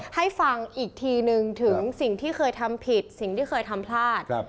ให้ฟังอีกทีนึงถึงสิ่งที่เคยทำผิดสิ่งที่เคยทำพลาด